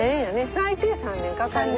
最低３年かかるね。